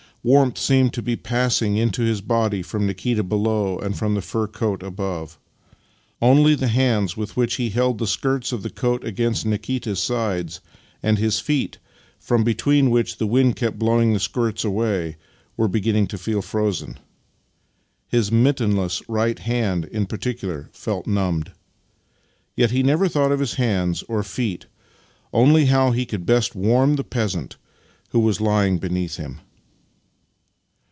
Warmth seemed to be passing into his body from Nikita below and from the fur coat above. Only the hands with which he held the skirts of the coat against Nikita's sides, and his feet, from between which the wind kept blowing the skirts away, were beginning to feel frozen. His mittenless right hand in particular felt numbed. Yet he never thought of his hands or feet — only of how he could best warm the peasant who was lying beneath him.